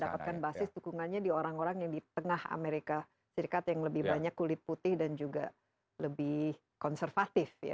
dapatkan basis dukungannya di orang orang yang di tengah amerika serikat yang lebih banyak kulit putih dan juga lebih konservatif ya